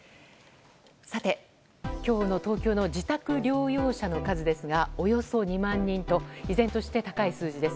今日の東京の自宅療養者の数はおよそ２万人と、依然として高い数字です。